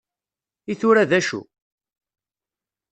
I tura d acu?